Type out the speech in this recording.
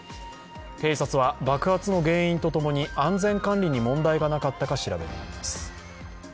警察は爆発の原因とともに安全管理に問題がなかったか調べています。